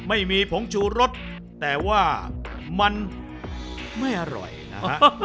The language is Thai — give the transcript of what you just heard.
ไม่มีผงชูรสแต่ว่ามันไม่อร่อยนะฮะ